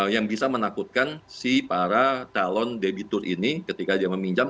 yang bisa menakutkan si para calon debitur ini ketika dia meminjam